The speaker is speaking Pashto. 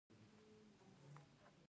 آیا له ستنې تر ټوپکه نشته؟